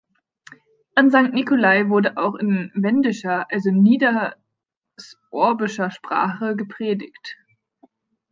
An Sankt Nikolai wurde auch in wendischer, also Niedersorbischer Sprache gepredigt.